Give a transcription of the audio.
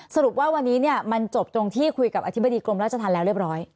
สรุปว่าวันนี้มันจบตรงที่คุยกับอธิบดีกรมราชธรรมแล้วเรียบร้อย